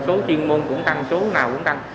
số chuyên môn cũng tăng số nào cũng tăng